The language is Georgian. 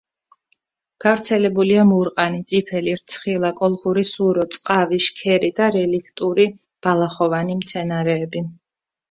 გავრცელებულია მურყანი, წიფელი, რცხილა, კოლხური სურო, წყავი, შქერი და რელიქტური ბალახოვანი მცენარეები.